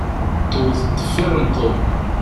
Tewweḍ-d deffir n Tom.